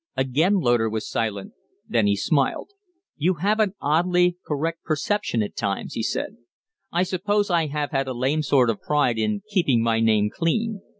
Again Loder was silent; then he smiled. "You have an oddly correct perception at times," he said. "I suppose I have had a lame sort of pride in keeping my name clean.